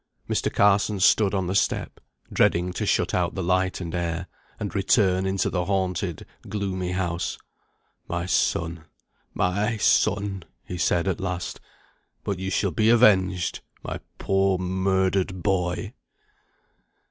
Mr. Carson stood on the step, dreading to shut out the light and air, and return into the haunted, gloomy house. "My son! my son!" he said, at last. "But you shall be avenged, my poor murdered boy."